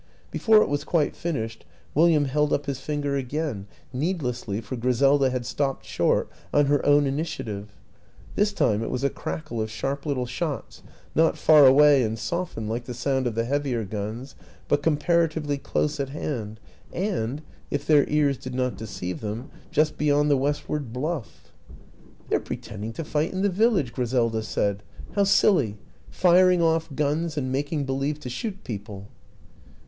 Before it was quite finished, William held up his finger again needlessly, for Griselda had stopped short on her own initiative. This time it was a crackle of sharp little shots, not far away and softened like the sound of the heavier guns, but comparatively close at hand and, if their ears did not deceive them, just beyond the westward bluff. 62 WILLIAM AN ENGLISHMAN 14 They're pretending to fight in the village," Griselda said. " How silly ! Firing off guns and making believe to shoot people."